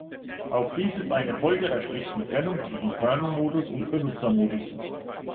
Auch dies ist eine Folge der strikten Trennung zwischen Kernel-Modus und Benutzer-Modus.